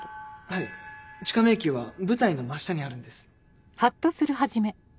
はい地下迷宮は舞台の真下にあるんです。